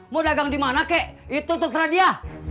mau dagang di mana kek itu terserah dia